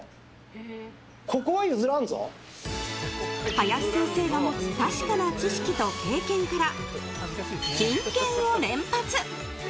林先生が持つ確かな知識と経験から金言を連発。